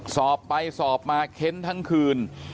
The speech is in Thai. สอบไปสอบมาเค้นทั้งคืน